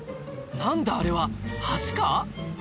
何だあれは橋か？